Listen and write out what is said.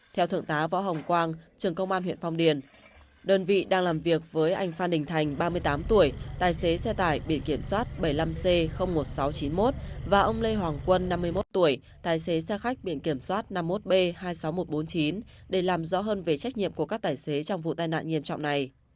theo thượng tá võ hồng quang trường công an huyện phong điền đơn vị đang làm việc với anh phan đình thành ba mươi tám tuổi tài xế xe tải biển kiểm soát bảy mươi năm c một nghìn sáu trăm chín mươi một và ông lê hoàng quân năm mươi một tuổi tài xế xe khách biển kiểm soát năm mươi một b hai mươi sáu nghìn một trăm bốn mươi chín để làm rõ hơn về trách nhiệm của các tài xế trong vụ tai nạn nghiêm trọng này